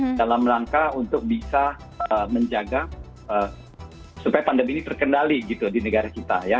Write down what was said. kita harus berusaha untuk bisa menjaga supaya pandemi ini terkendali di negara kita